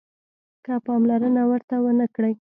که پاملرنه ورته ونه کړئ